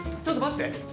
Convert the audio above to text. ちょっと待って！